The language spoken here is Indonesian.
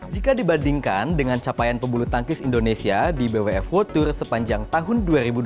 jika dibandingkan dengan capaian pebulu tangkis indonesia di bwf world tour sepanjang tahun dua ribu dua puluh